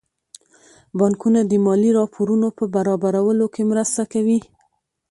بانکونه د مالي راپورونو په برابرولو کې مرسته کوي.